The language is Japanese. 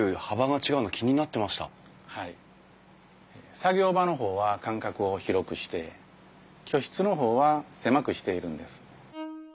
作業場の方は間隔を広くして居室の方は狭くしているんです。